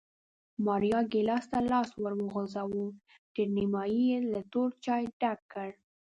ماریا ګېلاس ته لاس ور وغځاوه، تر نیمایي یې له تور چای ډک کړ